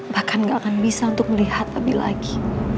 bahkan gak akan bisa untuk melihat lebih lagi